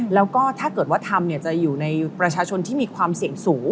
แล้วก็ถ้าเกิดว่าทำจะอยู่ในประชาชนที่มีความเสี่ยงสูง